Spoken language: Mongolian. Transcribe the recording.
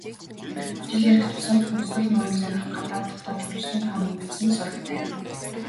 Жил ирэх тусам Хөвсгөл нуурыг зорих гадаад, дотоод жуулчдын тоо нэмэгдсэн сурагтай.